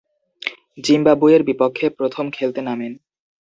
জিম্বাবুয়ের বিপক্ষে প্রথম খেলতে নামেন।